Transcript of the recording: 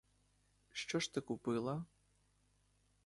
Що ж ти купила?